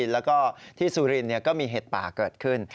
แล้วก็ที่สุรินทร์ก็มีเห็ดป่าเกิดขึ้น